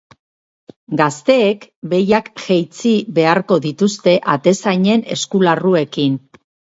Gazteek behiak jeitzi beharko dituzte atezainen eskularruekin.